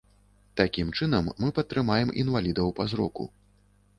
Такім чынам мы падтрымаем інвалідаў па зроку.